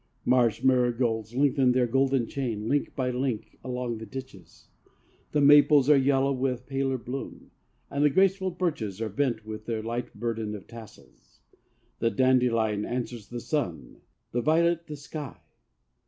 Marsh marigolds lengthen their golden chain, link by link, along the ditches. The maples are yellow with paler bloom, and the graceful birches are bent with their light burden of tassels. The dandelion answers the sun, the violet the sky.